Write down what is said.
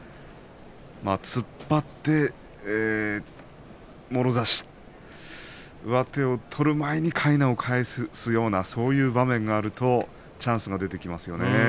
突っ張って、もろ差し上手を取る前にかいなを返すようなそういう場面があるとチャンスが出てきますよね。